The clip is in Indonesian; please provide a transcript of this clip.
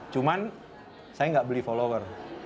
cuman saya nggak beli follower